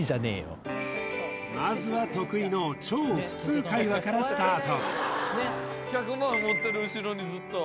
まずは得意の超普通会話からスタート